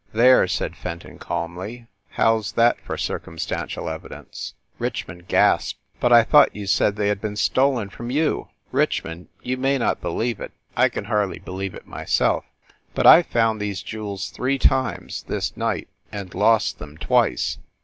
"There," said Fenton calmly, "how s that for cir cumstantial evidence?" Richmond gasped. "But I thought you said they had been stolen from you?" "Richmond, you may not believe it, I can hardly believe it myself, but I ve found these jewels three times, this night, and lost them twice!"